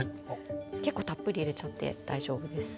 結構たっぷり入れちゃって大丈夫です。